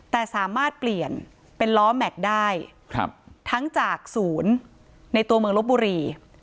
แต่สามารถเปลี่ยนเป็นล้อแม็กซ์ได้ทั้งจากศูนย์ในตัวเมืองลบบุรี